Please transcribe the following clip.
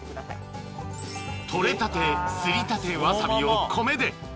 ［採れたてすりたてわさびを米で］